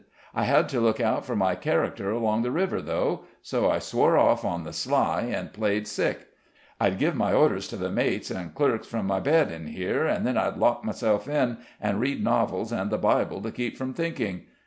I had to look out for my character along the river, though; so I swore off on the sly, and played sick. I'd give my orders to the mates and clerks from my bed in here, and then I'd lock myself in, and read novels and the Bible to keep from thinking.